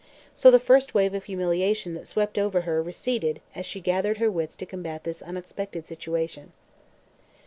So the first wave of humiliation that swept over her receded as she gathered her wits to combat this unexpected situation.